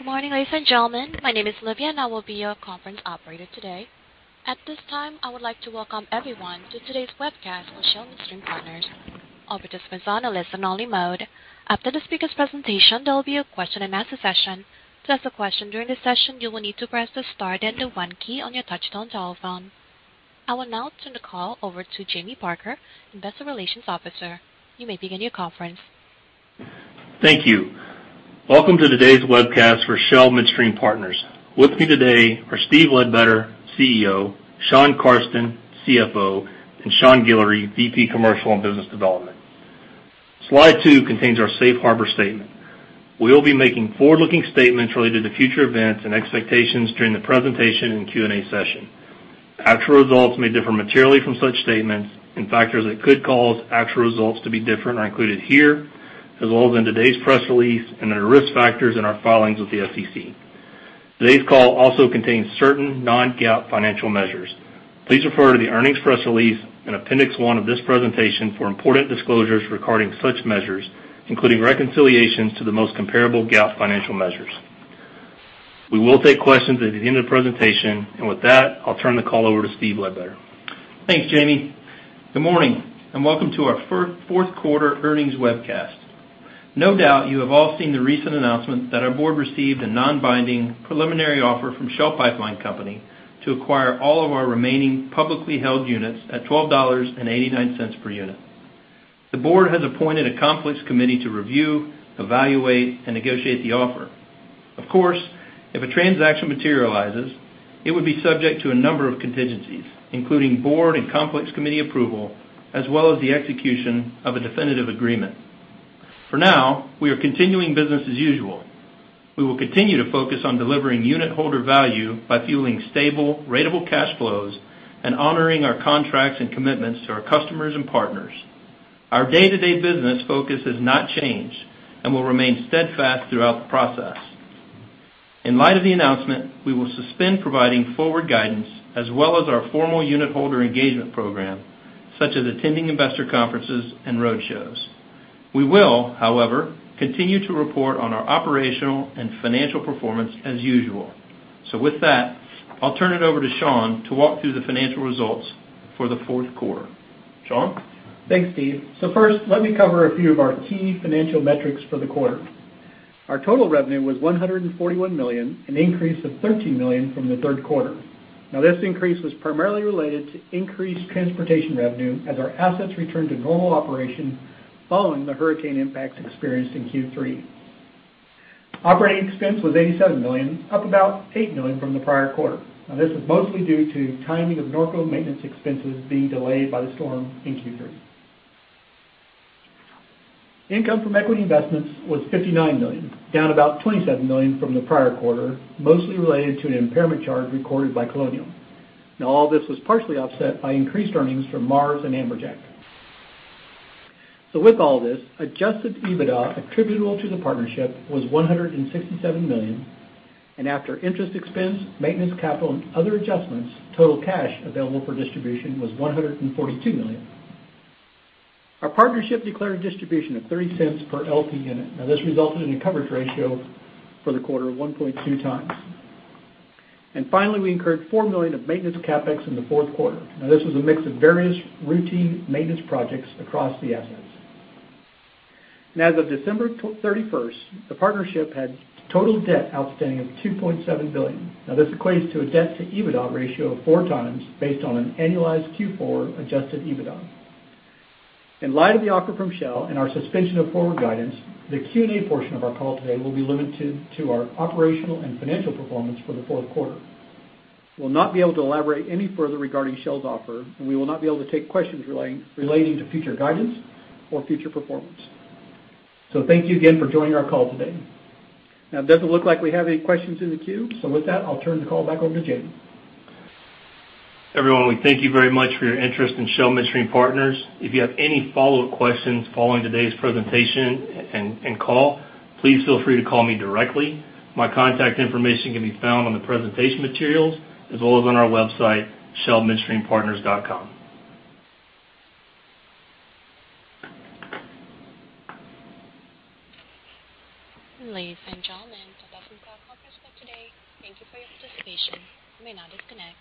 Good morning, ladies and gentlemen. My name is Olivia, and I will be your conference operator today. At this time, I would like to welcome everyone to today's webcast for Shell Midstream Partners. All participants are on a listen-only mode. After the speaker's presentation, there will be a question-and-answer session. To ask a question during the session, you will need to press the star then the one key on your touchtone telephone. I will now turn the call over to Jamie Parker, Investor Relations Officer. You may begin your conference. Thank you. Welcome to today's webcast for Shell Midstream Partners. With me today are Steve Ledbetter, CEO, Shawn Carsten, CFO, and Sean Guillory, VP Commercial and Business Development. Slide two contains our safe harbor statement. We will be making forward-looking statements related to future events and expectations during the presentation and Q&A session. Actual results may differ materially from such statements, and factors that could cause actual results to be different are included here, as well as in today's press release and the risk factors in our filings with the SEC. Today's call also contains certain non-GAAP financial measures. Please refer to the earnings press release in appendix 1 of this presentation for important disclosures regarding such measures, including reconciliations to the most comparable GAAP financial measures. We will take questions at the end of the presentation. With that, I'll turn the call over to Steve Ledbetter. Thanks, Jamie. Good morning, and welcome to our fourth quarter earnings webcast. No doubt you have all seen the recent announcement that our board received a non-binding preliminary offer from Shell Pipeline Company to acquire all of our remaining publicly held units at $12.89 per unit. The board has appointed a conflicts committee to review, evaluate, and negotiate the offer. Of course, if a transaction materializes, it would be subject to a number of contingencies, including board and conflicts committee approval, as well as the execution of a definitive agreement. For now, we are continuing business as usual. We will continue to focus on delivering unit holder value by fueling stable ratable cash flows and honoring our contracts and commitments to our customers and partners. Our day-to-day business focus has not changed and will remain steadfast throughout the process. In light of the announcement, we will suspend providing forward guidance, as well as our formal unitholder engagement program, such as attending investor conferences and roadshows. We will, however, continue to report on our operational and financial performance as usual. With that, I'll turn it over to Shawn to walk through the financial results for the fourth quarter. Shawn? Thanks, Steve. First, let me cover a few of our key financial metrics for the quarter. Our total revenue was $141 million, an increase of $13 million from the third quarter. Now, this increase was primarily related to increased transportation revenue as our assets returned to normal operation following the hurricane impacts experienced in Q3. Operating expense was $87 million, up about $8 million from the prior quarter. Now, this is mostly due to timing of Norco maintenance expenses being delayed by the storm in Q3. Income from equity investments was $59 million, down about $27 million from the prior quarter, mostly related to an impairment charge recorded by Colonial. Now, all this was partially offset by increased earnings from Mars and Amberjack. With all this, adjusted EBITDA attributable to the partnership was $167 million, and after interest expense, maintenance, capital, and other adjustments, total cash available for distribution was $142 million. Our partnership declared distribution of $0.03 per LP unit. Now this resulted in a coverage ratio for the quarter of 1.2x. Finally, we incurred $4 million of maintenance CapEx in the fourth quarter. Now this was a mix of various routine maintenance projects across the assets. As of December thirty-first, the partnership had total debt outstanding of $2.7 billion. Now this equates to a debt-to-EBITDA ratio of 4x based on an annualized Q4 adjusted EBITDA. In light of the offer from Shell and our suspension of forward guidance, the Q&A portion of our call today will be limited to our operational and financial performance for the fourth quarter. We'll not be able to elaborate any further regarding Shell's offer, and we will not be able to take questions relating to future guidance or future performance. Thank you again for joining our call today. Now it doesn't look like we have any questions in the queue. With that, I'll turn the call back over to Jamie. Everyone, we thank you very much for your interest in Shell Midstream Partners. If you have any follow-up questions following today's presentation and call, please feel free to call me directly. My contact information can be found on the presentation materials as well as on our website, shellmidstreampartners.com. Ladies and gentlemen, that does conclude our call for today. Thank you for your participation. You may now disconnect.